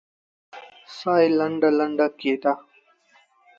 ساه يې لنډه لنډه کېده.